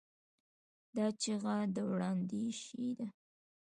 دا چیغه د دوراندیشۍ ده.